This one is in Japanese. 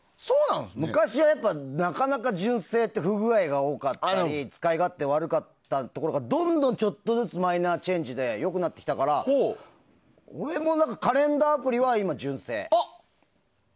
昔は、なかなか純正って不具合が多かったり使い勝手が悪かったりしたところがどんどん、ちょっとずつマイナーチェンジで良くなってきたから俺もカレンダーアプリは今、純正。